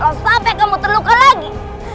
jangan sampai kamu terluka lagi